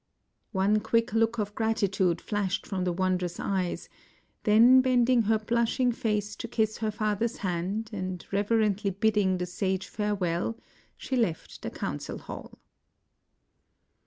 One quick look of gratitude flashed from the wondrous eyes, then bending her blushing face to kiss her father's hand and reverently bidding the sage fare well, she left the council hall.